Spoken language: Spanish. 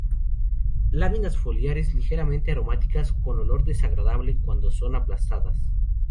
Láminas foliares ligeramente aromáticas o con olor desagradable cuando son aplastadas.